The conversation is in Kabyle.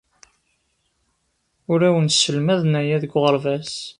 Ur awen-sselmaden aya deg uɣerbaz.